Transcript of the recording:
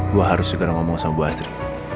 gue harus segera ngomong sama bu asri